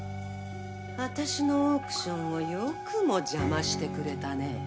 あたしのオークションをよくも邪魔してくれたね。